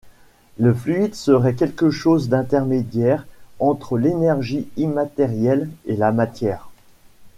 Le fluide serait quelque chose d'intermédiaire entre l'énergie immatérielle et la matière.